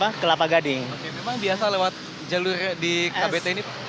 memang biasa lewat jalur di kbt ini pak